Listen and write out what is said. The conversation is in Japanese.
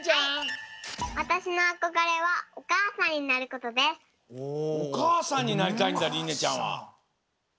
わたしのあこがれはおかあさんになりたいんだりんねちゃんは。